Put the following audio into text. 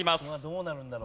どうなるんだろう？